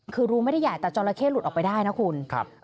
คือรูไม่ได้ใหญ่แต่จราเข้หลุดออกไปได้นะคุณครับ